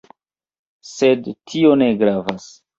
Sed tio ne gravas.